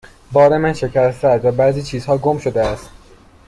بار من شکسته است و بعضی چیزها گم شده است.